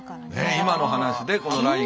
今の話でこのラインが。